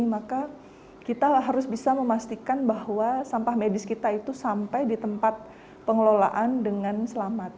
maka kita harus bisa memastikan bahwa sampah medis kita itu sampai di tempat pengelolaan dengan selamat